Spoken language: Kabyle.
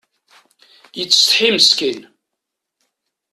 Yettsetḥi meskin.